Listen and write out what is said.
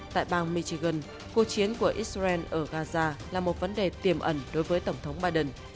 tại bang michigan cuộc chiến của israel ở gaza là một vấn đề tiềm ẩn đối với tổng thống biden